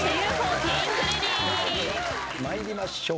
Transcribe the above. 参りましょう。